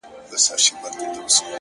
• نه یې وېره وه له خدایه له دې کاره,